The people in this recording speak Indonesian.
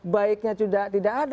baiknya juga tidak ada